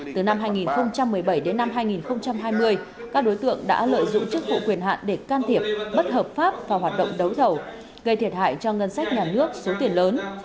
từ năm hai nghìn một mươi bảy đến năm hai nghìn hai mươi các đối tượng đã lợi dụng chức vụ quyền hạn để can thiệp bất hợp pháp và hoạt động đấu thầu gây thiệt hại cho ngân sách nhà nước số tiền lớn